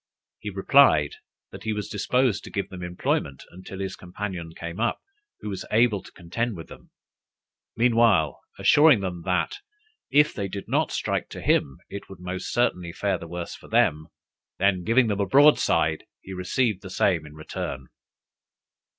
He replied, that he was disposed to give them employment until his companion came up, who was able to contend with them; meanwhile assuring them that, if they did not strike to him, it would most certainly fare the worse for them: then giving them a broadside, he received the same in return.